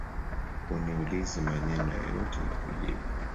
Uniulize maneno yeyote nikujibu